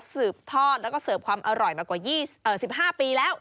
สืบทอดแล้วก็เสิร์ฟความอร่อยมากว่า๑๕ปีแล้ว